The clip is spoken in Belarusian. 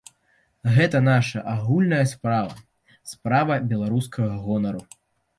Гэта наша агульная справа, справа беларускага гонару.